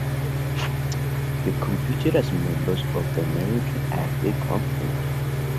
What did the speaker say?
They competed as members of the American Athletic Conference.